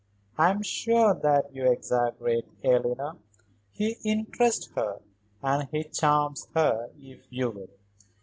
I am sure that you exaggerate, Eleanor. He interests her, and he charms her if you will.